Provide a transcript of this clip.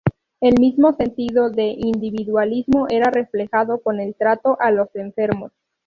El mismo sentido de individualismo era reflejado con el trato a los enfermos.